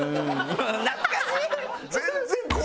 懐かしい！